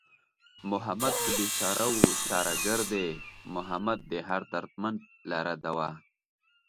محمد د بېچارهوو چاره گر دئ محمد دئ هر دردمند لره دوا